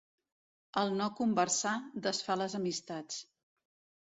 El no conversar desfà les amistats.